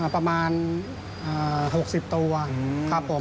ประมาณ๖๐ตัวครับผม